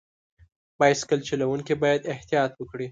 بایسکل چلوونکي باید احتیاط وکړي.